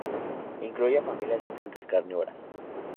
Incluye a familias de plantas carnívoras.